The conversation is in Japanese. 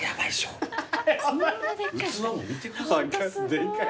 でかい。